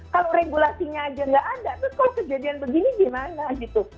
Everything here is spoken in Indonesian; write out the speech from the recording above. kalau regulasinya aja nggak ada terus kok kejadian begini gimana gitu